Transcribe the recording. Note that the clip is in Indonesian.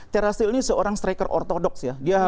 terhasil ini seorang striker ortodoks